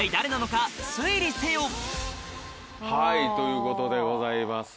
はいということでございます。